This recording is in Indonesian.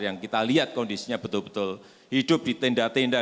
yang kita lihat kondisinya betul betul hidup di tenda tenda